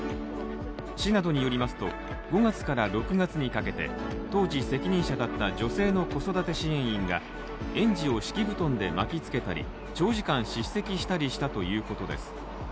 市などによりますと５月から６月にかけて、当時、責任者だった女性の子育て支援員が園児を敷布団で巻きつけたり、長時間叱責したりしたということです。